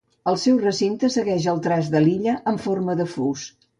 El seu recinte segueix el traçat de l'illa, en forma de fus.